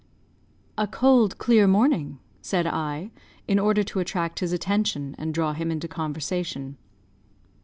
"A cold, clear morning," said I, in order to attract his attention and draw him into conversation.